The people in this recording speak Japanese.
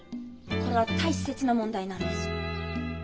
これは大切な問題なんです。